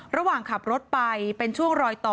ระหว่างขับรถไปเป็นช่วงรอยต่อ